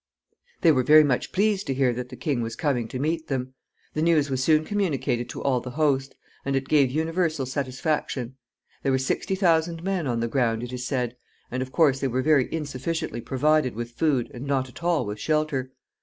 They were very much pleased to hear that the king was coming to meet them. The news was soon communicated to all the host, and it gave universal satisfaction. There were sixty thousand men on the ground, it is said, and, of course, they were very insufficiently provided with food, and not at all with shelter.